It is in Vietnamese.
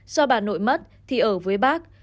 do bà nội mất thì ở với bác